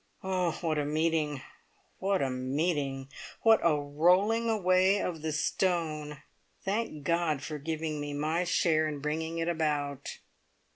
Oh, what a meeting what a meeting! What a rolling away of the stone! Thank God for giving me my share in bringing it about!